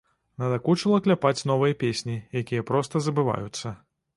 Надакучыла кляпаць новыя песні, якія проста забываюцца.